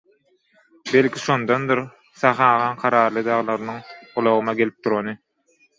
Belki şondandyr Sahy agaň «kararly daglarynyň» gulagyma gelip durany.